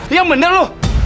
iya bener lo